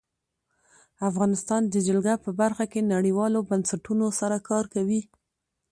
افغانستان د جلګه په برخه کې نړیوالو بنسټونو سره کار کوي.